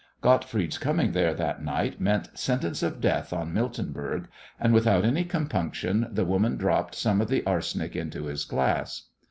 Gottfried's coming there that night meant sentence of death on Miltenberg, and without any compunction the woman dropped some of the arsenic into his glass.